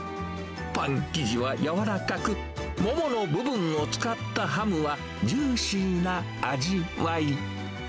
パン生地は軟らかく、モモの部分を使ったハムはジューシーな味わい。